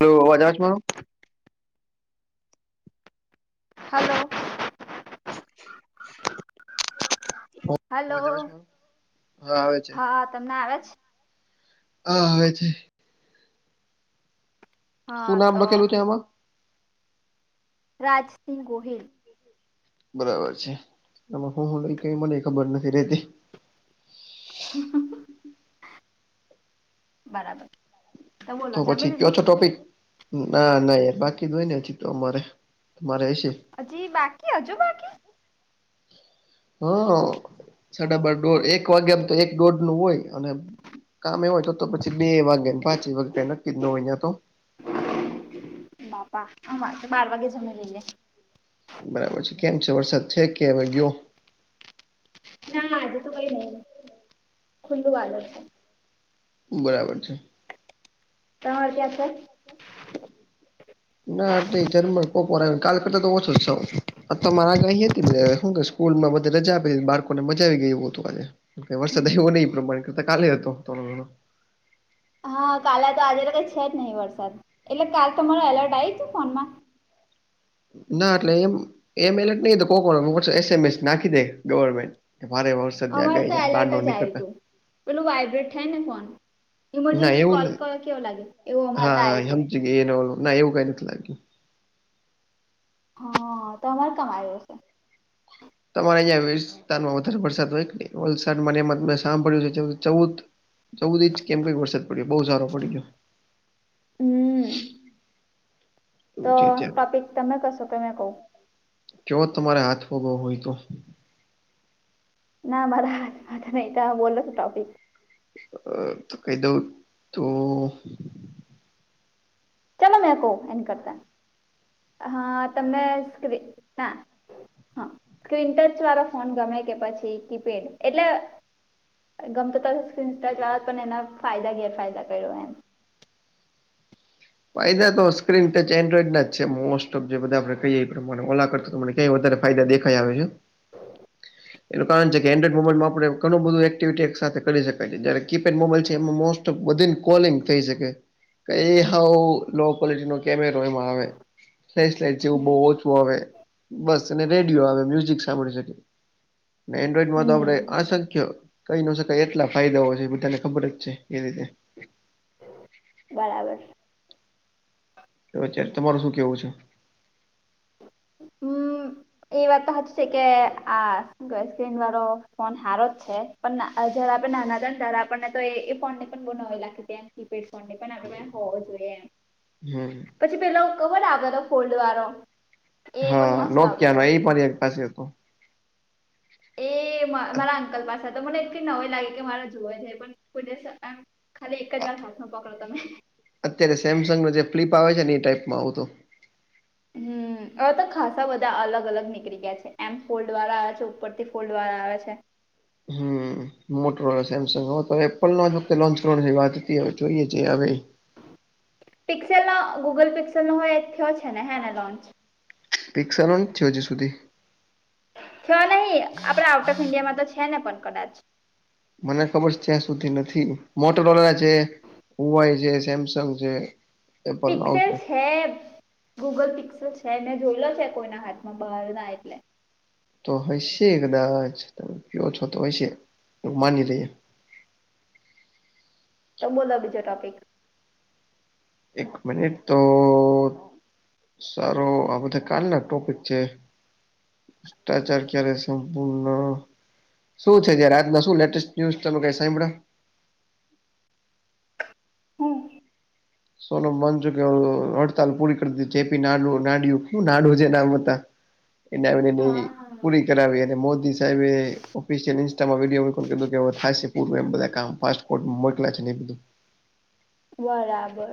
Hello અવાજ આવશ માર હલો. આવે હલો છે, માર હા આવે છે. હા તમને આવે જ હ હો છે. હા શું નામ તો બખેલું છે આમાં રાજસિંહ ગોહિલ બરાબર છે આ હું હું કઈ મને ખબર નથી રતી હ બરાબર તો બોલો જમી પછી કયો લીધું છો, ટોપિક ના ના બાકી દ હોયને હછ, તો અમારેરે હશે હજી, બાકી હજો બાકી હા, સાડા બાર દોઢ એક વાગ્યામ તો એક દોઢ નું હોય અને કામ એ હોય, તો પછી બે વા પાંચ એ વાગ્યા નક્કી જ ન અયા તો બાપા અ તો બાર વાગે જમે લે બરાબર છે, કેમ છે. વરસાદ છે, કે હવે ગયો. ના આજે તો કઈ નહી ખુલ્લું વાલ જ છે. બરાબર છે. તમાર ક્યાં છે. ના ટ જર કોપોર આવ કાલ કરતા તો ઓછો જ સ મારે આગઈ હતી હું કશ સ્કૂલમાંધ રજા આપી બાળકોને મજા આવી ગય હતું આજે વરસાદ એવો નહીં પ્રમાણે કરતા કાલે હતો થોો ઘણો હા કાલે તો આજે તો કઈ છેજ નહી, વરસાદ એટલે કાલ તમાર એલર્ટ આ તું ફોનમાં ના એટલે એમ એમ એલટ નહી કો એસ એમસ નાખી દે ગવર્મેન્ટ એ વારે વાર અવાર તો એલર્ટ જ આવ તું પેલું વાઈબ્રેટ થાય ને ફોન ના ઇમરજન્સી એવું કોલ કર કેવો લાગે એવું અમારે ત્યા આવ્યું હતુ. એ ના એવું કઈ નથી લાગ્યુ. હા તો અમારે કામ આવ્યો હશે. તમારે અં વિસ્તારમાં વધારે વરસાદ હોય કેને વલસાડમાં ત સાંભળ્યું છે, ચૌદ જવું દી કેમ કઈક વરસાદ પડ્યો બહુ સારો પડી ગયો. હમ્મ તો જે ત્યાં ટોપિક તમે કશો કેમે કહ કે તમારે હાથ ફોગાવ હોય, તો ના મારા ન બોલો તો ટોપિક અ તો કહી, દઉં તો ચાલો મેં કહ એને કરતા, હ તમે ના હા સ્ક્રીન ટચ વાળા ફોન ગમે કે પછી કીપેડ એટલે ગમતો ત સ્ક્રીન ટચ વા પણ એના ફાયદા ગેરફાયદા કર્યો એમ ફાયદા તો સ્ક્રીન ટચ એન્ડ્રોઈડ ના જ છે, મોસ્ટ જે બધા આપણે કહીએ એ પ્રમાણે ઓલા કરતામને ક્યાય વધારે ફાયદા દેખાય આવે છે. એનું કારણ છે, કે એન્ડ્રોઇડ મોબાઈલમાં આપણે ઘણું બધું એક્ટિવિટી એક સાથે કરી શકાય છે જ્યારે કીપેડ મોબાઈલ છે એમાં મોસ્ટ કોલિંગ થઈ શકે હા લો ક્વોલિટી નો કેમેરો એમાં આવે ફ્લેશલાઈટ જેવું બહોજ બોવે બસ અને રેડિયો આવે મ્યુઝિક સાંભળી શકી એન્ડ્રોઈડ માં તો આપડે હમ આ સંખ કઈ ન શકાય એટલા ફાયદાઓ છે બધાને ખબર જ છે એ રીતે બરાબર તો અત્યારે તમાર શું કેવું છે. હમ એ વાત તો હત છે કે આ ટચ સ્ક્રીન વાળો ફોન હારો જ છે પણ જયારે આપડે નાના હતા ને ત્યારે આપણને તો એ ફોન ને બના લાગે ત કીપેડોન ને પણ આપ હોવો જોઈએ એમ હું પછી પેલા ઓ કવર આવે લો ફોલ્ડ વાળો. એ પણ હા મસ્ત આવતો નોકિયા હતો નો એ પણ એન પાસે હતો. એ મ અ મારા અંકલ પાસે તો મને એટલી નવાઇ લાગી કે મારે જોવા જાય પણ કોઇ દિવસ ખાલી એક જ વાર હાથ નો પકડો તો મે અત્યારે સેમસંગનો જે ફ્લિપ આવે છે, એ ટાઈપમાં આવું તો હમ હવે તો ખાસા બધા અલગ અલગ નીકળી ગયા છે એમ ફોલ્ડ વાળા આવે છે ઉપરથી ફોલ્ડ વાળા આવે છે. હું. મોટરો સેમસંગ હો તો એપલ નો વખતે લોન્ચ કરવા વાત હતી હવે જોઈએ છે, હવે પિક્સેલ ન ગૂગલ પિક્સેલ નો હોય એ થયો છે ને હેને લોન્ચ પિક્સલ નથી છે હજી સુધી થયો નહી આપડે આઉટ ઓફ ઈન્ડિયામાં તો છે, ને પણ કદાચ મને ખબર છે ત્યાં સુધી નથી મોટરવા છે. ઉવાઈ છે સેમસંગ છે. એપલ નો આવશે પિક્સેસ હે ગૂગલ પિક્સલ છે ને જોયલો છે કોઈના હાથમાં બહાર ના એટલે તો હયશે કદાચ તમે કો છો તો હશે તો માની લઇએ. તમ બોલો બીજો ટોપિક એક મિનિટ તો સારો આ બધા કાલ ના ટોપિક છે. ભ્રષ્ટાચાર ક્યારે સંપૂર્ણ શું છે જયારે આજના શું લેટેસ્ટ ન્યુઝ તમે કઈ સાંયભળો હું સોનું મન છું કે હડતાલ પૂરી કરી ચપી નાડ નાડયું નાડું છે નામ હતા એને મની હા પુરી. કરાવે અને મોદી સાહેબે ઓફિશિયલ ઇન્સ્ટામાં વિડીયો કીધું કે હવે થશે પૂરું એમ બધા કામ ફ કોટ મોઈ કલા છેને એ બધું બરાબર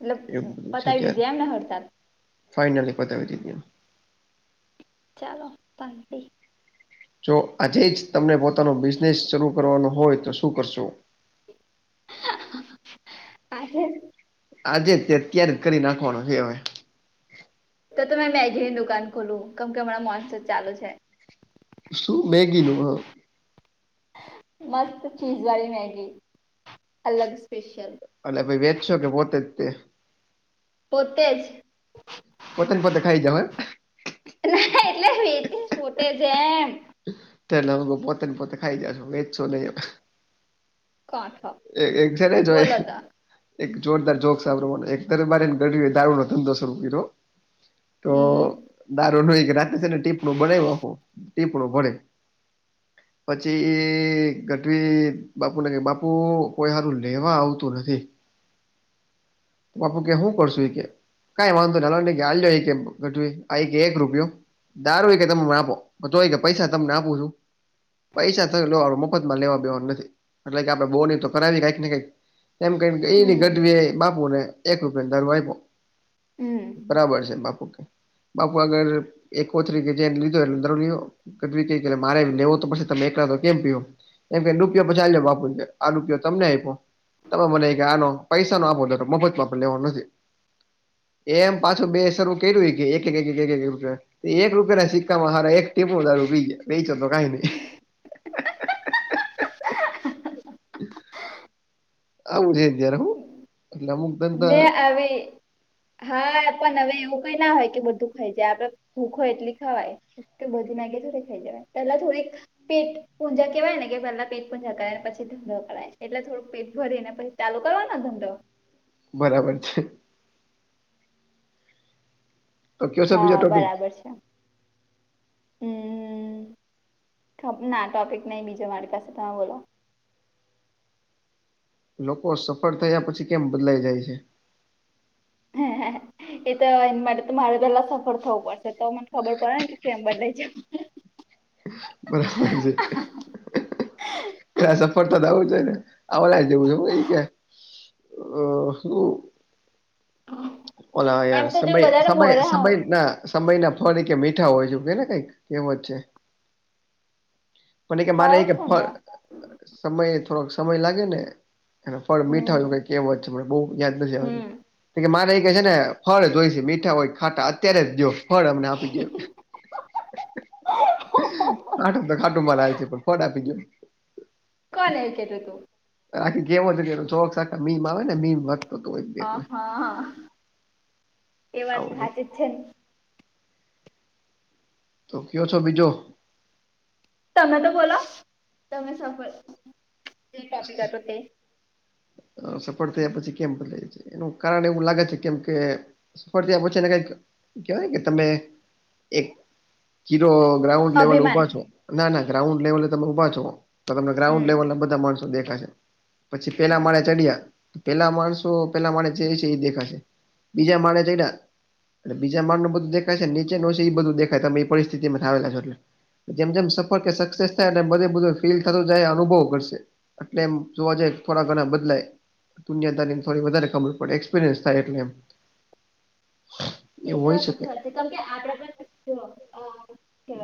મતલબ એવું પતાવી લીધી એમને હડતાળ ફાઇનલી પતાવી દીધી અ. ચાલો તાતી. જો આજે જ તમને પોતાનો બિઝનેસ શરૂ કરવાનો હોય તો શું કરશો [unintelligible] આજે. આજે તે અત્યારે જ કરી નાખવાનો છે હવે. તો તે મે મેગીની દુકાન ખોલું કેમ કે હમણાં મોનસુન ચાલુ છે. શું મેગી નું હા. મસ્ત ચીજ વાળી મેગી અલગ સ્પેશલ અને ભાઈ વેચશો કે પોતે તે. પોતે જ. પોતે પોતે ખાઈ જવાય એમ. ના એટલે વેચીસ પોતે જેમ. તે અમ પોતેને પોતે ખાઈ જશો વેચશો નહીં એમ. કોઠો એ એક છે જોય. બોલો તો એક જોરદાર જોક સાંભવા એક દરબારીને ગઢવી એ દારૂ નો ધંધો શરૂ કર્યો. તો હમ દારૂ નય કે રાતે છે ને ટીપડું બનાવ આખું ટીપડું ભરે [inaudible] પછી એ ગઢવી બાપુને ક બાપુ કોઈ સારું લેવા આવતું નથી. બાપુ કે હું કરશું એ કે કઈ વાંધો હાલો ને આ કે એક રૂપિયો દારું હોય કે તમને આપો તો હોય કે પૈસા તમને આપું છું પૈસા થ લેવાનું મફતમાં લેવા દેવાનું નથી એટલે કે આપણે બોની તો કરાવી કઈક ને કઈક એમ ક એની હમ ગઢવી બાપુ ને એક રૂપિયા ને ધારવા આપ્યો હમ બરાબર છે બાપુ કે બાપુ આગર એકકોતરીકે જે લીધો એ અંદાર લ્યો. ગઢવી કે મારે લેવો તો પદસે તમે એકલા તો કેમ પીવો. એમ કે રૂપિયો પચીજ બાપુ છે આ રૂપિયો તમને આપ્યો તમે મને આનો પૈસા નો આપો. પણ મફત માં પન લેવાનો નથી એ એમ પાછું બેસરું કર્યું કે એક એક એકું છે. એક રૂપિયા ના સિક્કામાં હાર એક ટીપનું દારૂ પી ગયા વેચ્યો તો કંઈ નઈ. આવું છે જ્યારે હું એટલે અમુક ધંધા મે આવી આવી હા પણ હવે એવું કઈ ના હોય કે બધું ખાઈ જાય આપડ ભૂખ હોય એટલી ખવાય કે બધી ના થોડે ખાઈ જવાય પેલા થોડિક પેટ પૂંહેવાય ને કે પહેલા પેટ પૂજા કરે પછી ધંધો કરાય છે એટલે થોડુંક પેટ ભરી ને પછી ચાલુ કરવાનો ધંધો બરાબર છે તો કયો છે હા બીજો ટોપિક બરાબર છે [unintelligible] હમ [inaudible] ના ટોપિક નહી બીજો મારી પાસે તમે બોલો લોકો સફળ થયા પછી કેમ બદલાઈ જાય છે? હમ હ એ તો એ માટે તો મારે પેલા સફળ થવું પડશે તો મને ખબર પડે ને કે કેમ બદલાઈ જ? બરાબર છે [inaudible] એ સફળતા થવું છે ને આ ઓલા જેવું છે હો કે સુ હા ઓલા યાર સમય સમય સમય ના સમય ના ફળ કે મીઠા હોય છે કેને કઈક કેમ જ છે પણ કે માને હોય એ જ કે છે ને ફળ તો સમય થોડોક સમય લાગે ને એ ફળ મીઠા હોય હમ એવુ કહેવત છે, બો યાદ હમ નથીકે મારે કે છે ને ફળ જ હોય છે મીઠા હોય ખાટા અત્યારે જ દીયો ફળ અમને આપી દીયો ખાટું તો ખાટું મારે હાલશે પણ ફળ આપી દીયો કોને કેતો તો બાકી કેવો હતોકે ચોક સતા મીમ આવે ને મીમ હતો એક દી હા એટલે હા એ વાત તો સાચી છે ને તો કયો છો બીજુ? તમે તો બોલો, તમે સફળ જે તોપિક હતો તે સફળ થયા પછી કેમ બદલાઈ છે એનું કારણ એવું લાગે છે કેમ કે સફળ થયા પછી એને કંઈક કહેવાય કે તમે એક ઝીરો ગ્રાઉન્ડ લેવલ અભિમાન ઉભા છો ના ના ગ્રાઉન્ડ લેવલે તમે ઉભા છો તો તમને ગ્રાઉન્ડ હમ લેવલ બ માણસો દેખાય છે પછી પેલા માળે ચડ્યા પેલા માણસો પેલા માળે જાય છે ઈ એ દેખાશે બીજા માળે ચડિયા બીજા માળ બધું દેખાય છે નીચે નું હશે ઈ બધુ દેખાય છે તમે એ પરિસ્થિત માં આવેેલા છો એટલે જેમ જેમ સફર કે સક્સેસ થાય બધે બધો ફીલ થતો જાય અનુભવ કરશે તેમ જોવા જાય થોડા ઘણા બદલાય દુનિયાદારીની થોડી વધારે ખબર પડે એક્સપિરિયન્સ થાય એટલે એમ એ એવું તો હોઈ શકે હાચી વાત છે કેમ કે આગરા પણ અહ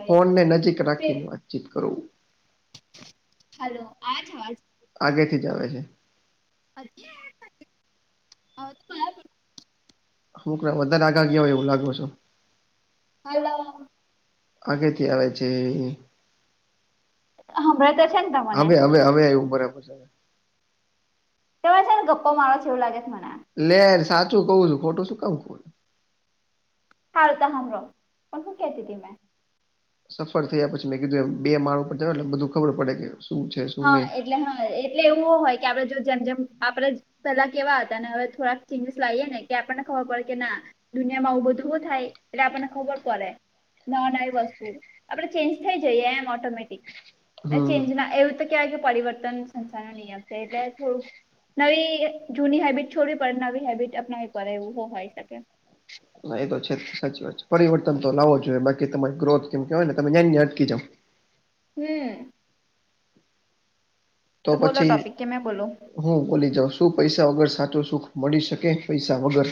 ફોનને નજીક રાખીને વાતચીત કરો હાલો આવે છે અવાજ આગેથી જ આવે છે [unintelligible] હું કરે વધારે આઘા ગયા હોય એવું લાગો છો હાલો આગે થી આવે છે હમણાં તો છે ને તમને આવે આવે આવે ઉપર આવ્યું તમે છે ને ગપ્પા મારો છે એવું લાગે મને લે સાચું કવું છું ખોટું શું કામ હાલતા હામડો પણ શું કેતી તીમે સફળ થયા પછી મે કીધું એમ બે માળ ઉપર ચડે એટલે બધું ખબર પડે કે શું છે શું નહી ટલે હા એટલે એવું ઓ હોય કે આપડે જો જેમ જેમ આપડે પેલા કેવા હતા હવે થોડાક ચેન્જીસ લાવીએ ને કે આપણને ખબર પડે કે ના દુનિયામાં આવું બધું બો થાય એટલે આપણને ખબર પડે નવી નવી વસ્તુ આપડે ચેન્જ થઈ જઈએ એમ ઓટોમેટિક ને હમ ચેન્જ ના એવું કેવાય કે પરિવર્તન સંસાર નો નિયમ છે એટલે થોડુંક નવી જૂની હેબિટ છોડવી પડે નવી હેબિટ અપનાવી પડે અમે હો હોય શકે હા એ તો છે સાચી વાત છે પરિવર્તન તો લાવવો જોઈએ બાકી તમારી ગ્રોથ અમે કેવાય ને તમે જ્યા અટકી જાવ હમ તો બોલો પછી ટોપિક કે મેં બોલો હું બોલી જઉસ શું પૈસા વગર સાચુ સુખ મળી શકે પૈસા વગર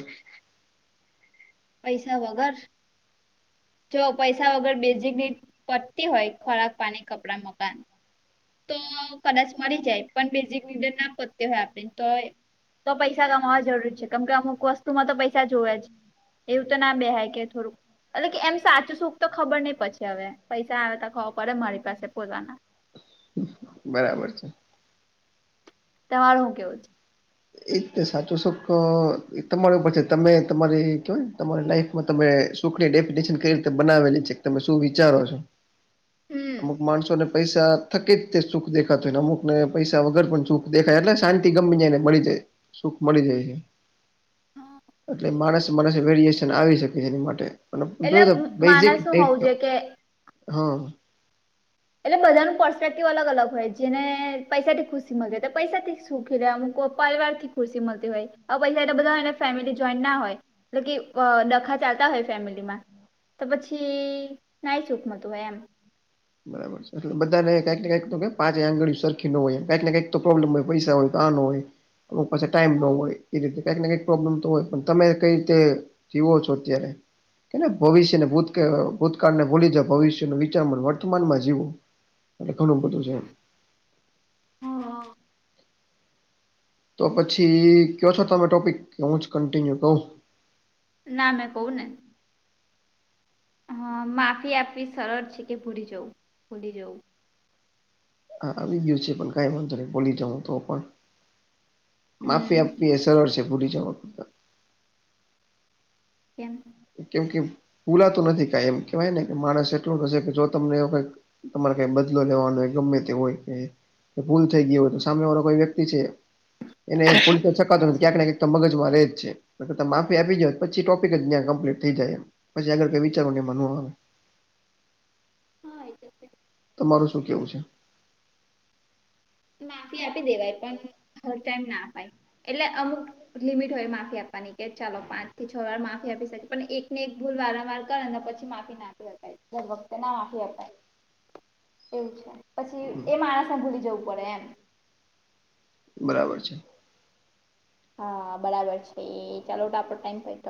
પૈસા વગર જો પૈસા વગર બેઝિક દીઠ પતતી હોય ખોરાક પાણી કપડાં મકાન તો કદાચ મળી જાય પણ બેઝિક નિડર ના પતતી હોય આપડી તો તો પૈસા કમાવા જરૂર છે કેમ કે અમુક વસ્તુમાં તો પૈસા જોવે જ એવું તો ના બેહાય કે થોડુંક એટલે કે એમ સાચું સુખ તો ખબર નહીં પછી હવે પૈસા આવે ખબર પડે મારી પાસે પોતાના બરાબર છે તમારું હું કેવું છે એ જ તો સાચું સુખ તમારા ઉપર છે તમે તમારી કેવાય ને તમારી લાઈફ તમે સુખની ડેફિનેશન કઈ રીતે બનાવેલી છે તમે શું વિચારો છો અમુક હમ માણસોને પૈસા થકી જ સુખ દેખાતો હોયને અમુક ને પૈસા વગર પણ સુખ દેખાય એટલે શાંતિ ગમી જાયને મળી જાય. સુખ મળી જાય હે. એટલે માણસ માણસે વેરિએશન આવી શકે છે એની માટે અને જોઈ શકો એટલે બેઝિક માણસ શું ડેટ હોવું જોઈએ કે હા એટલે બધાનું પર્સ્પેક્ટિવ અલગ અલગ હોય જેને પૈસા થી ખુશી મલે તો પૈસા થી સુખી રે અમુક પારિવાર થી ખુશી મળતી હોય પૈસા એ બધાને ફેમિલી જોઈન્ટ ના હોય ટલે કે અ ડખા ચાલતા હોય ફેમિલી માં તો પછી નાઈ સુકમતું એમ બરાબર છે. એટલે બધાને કાઈક ને કાઈક તો કેમ પાચે આંગળી સરખી ના હોય કાઈક ને કાઈક પ્રોબ્લેમ હોય પૈસા હોય તો આ ન હોય તો પાસા ટાઈમ ન હોય એ રીતે કાઈક ને કાઈક પ્રોબ્લેમ તો હોય પણ તમે કઈ રીતે જીવો છો અત્યારે કેને ભવિષ્યનું ભૂતકાળ ભૂતકાળને ભૂલી જા ભવિષ્ય નું વિચાર [unintelligible] મનમાં જીવો એટલે ઘણું બધું છે એમ હા તો પછી કયો છો તમે ટોપિક કે હું જ કન્ટિન્યુ કઉ ના મે કઉ ને હ માફી આપવી સરળ છે કે ભૂલી જવું ભૂલી જવું હા આવી ગયું છે પણ કઈ વાંધો ન બોલી જાઉં તો પણ માફી હમ આપવી એસ ચર વસે ભૂલી જાઓ કેમ? કેમ કે ભૂલાતું નથી કાઈ એમ કેહેવાય ને કે માણસ એટલો હશે કે જો તમને એ વખત તમાર કાઈ બદલો લેવાનો હોય ગમે તે હોય કે એ ભૂલ થઈ ગ્યો હોય તો સામે વાળો કોઈ વ્યક્તિ છે. એને ભૂલી તો શકાતો નથી ક્યાકને જેમાં ક્યાંક તો મગજમાં રહે જ છે, એન કરતા માફી આપી જ્યો પછી ટોપિક ન્યા કમ પ્લીટ થઈ જાય એમ પછી આગળ કઈ વિચારું એમ ન આવે હા એ તો છે. તમારું શું કેવું છે? માફી આપી દેવાય પણ હર ટાઈમ ના આપાય એટલે અમુક લિમિટ હોય માફી આપવાની કે ચાલો પાંચ થી છ વાર માફી આપી શકે પણ એકને એક ભૂલ વારંવાર કરેન પ માફી નાપી હકાય દર વક્ત ના આપી હકાય [inaudible] એવું છે, પછી હમ, એ માણસે ભૂલી જવું પડે એમ બરાબર છે. હા બરાબર છે, એ ચાલો ટ આપડ ટાઈમ થાઈ